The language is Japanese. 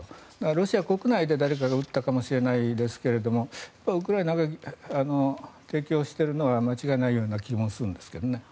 ロシア国内で誰かが撃ったかもしれないですがウクライナが提供しているのは間違いないような気はするんですがね。